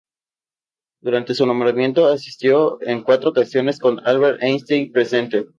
Durante su nombramiento, asistió en cuatro ocasiones con Albert Einstein presente.